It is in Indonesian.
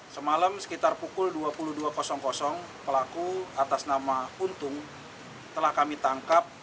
semalam sekitar pukul dua puluh dua pelaku atas nama untung telah kami tangkap